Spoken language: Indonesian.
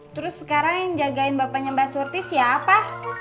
terus sekarang yang jagain bapaknya mbak surti siapa